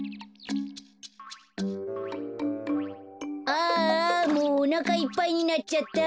ああもうおなかいっぱいになっちゃった。